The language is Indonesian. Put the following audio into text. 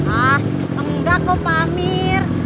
ah enggak kok pak amir